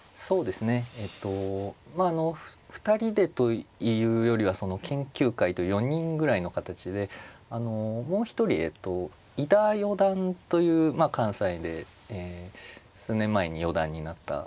えっとまああの２人でというよりはその研究会４人ぐらいの形であのもう一人えっと井田四段という関西で数年前に四段になった。